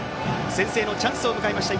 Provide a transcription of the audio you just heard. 先制のチャンスを迎えました